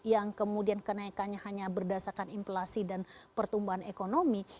yang kemudian kenaikannya hanya berdasarkan inflasi dan pertumbuhan ekonomi